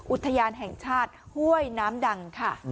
อุทยานแห่งชาติห้วยน้ำดังค่ะ